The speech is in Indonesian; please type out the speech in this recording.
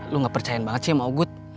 lu gak percaya banget sih sama oh good